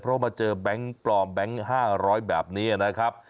เพราะมาเจอแบงค์ปลอมแบงค์๕๐๐แบบนี้นะครับ